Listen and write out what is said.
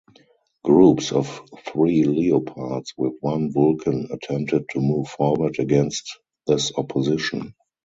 Groups of three Leopards with one Vulcan attempted to move forward against this opposition.